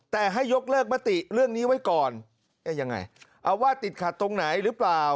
แต่ให้ยกเลิกมติเรื่องนี้ไว้ก่อนยังไงเอาว่าติดขัดตรงไหนหรือเปล่า